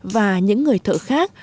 và những người thợ khác